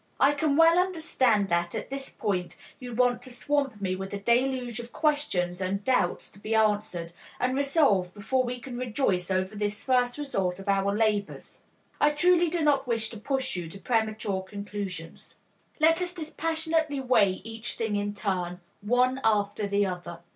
I can well understand that at this point you want to swamp me with a deluge of questions and doubts to be answered and resolved before we can rejoice over this first result of our labors. I truly do not wish to push you to premature conclusions. Let us dispassionately weigh each thing in turn, one after the other.